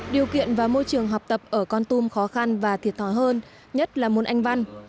điều kiện và môi trường học tập ở con tum khó khăn và thiệt thòi hơn nhất là môn anh văn